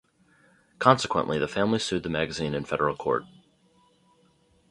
Consequently, the family sued the magazine in federal court.